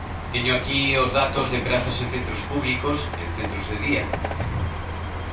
Teño aquí os datos de prazas en centros públicos, en centros de día.